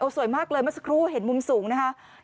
โอ้สวยมากเลยมาสักครู่เห็นมุมสูงนะครับ